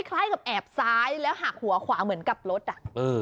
คล้ายกับแอบซ้ายแล้วหักหัวขวาเหมือนกับรถอ่ะเออ